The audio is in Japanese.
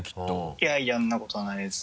いやいやそんなことはないです。